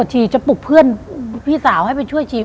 ทีจะปลุกเพื่อนพี่สาวให้ไปช่วยชี